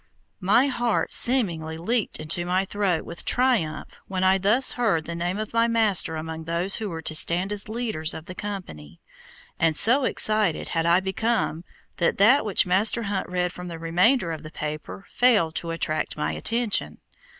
My heart seemingly leaped into my throat with triumph when I thus heard the name of my master among those who were to stand as leaders of the company, and so excited had I become that that which Master Hunt read from the remainder of the paper failed to attract my attention.